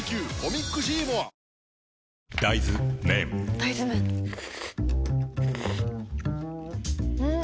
大豆麺ん？